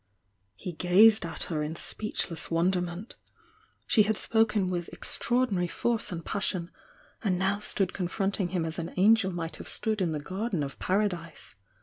He gazed a^ her in speechless wonderment. Sh« had spoken with extraordinary force and passion, and now stood confronting him as an angel might have stood in the Garden of Paradise.